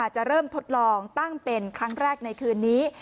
จะเริ่มทดลองตั้งเป็นครั้งแรกในคืนนี้